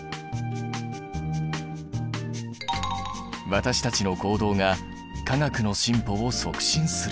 私たちの行動が化学の進歩を促進する。